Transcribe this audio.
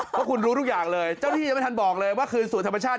ก็ปล่อยข้างหลังนั่นแหละคืนสูตรธรรมชาติ